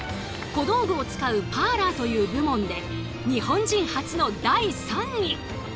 小道具を使うパーラーという部門で日本人初の第３位。